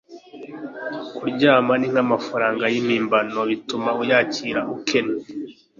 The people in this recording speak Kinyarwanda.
kuryama ni nkamafaranga yimpimbano bituma uyakira, akennye